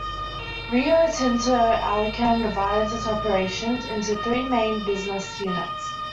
Rio Tinto Alcan divides its operations into three main business units.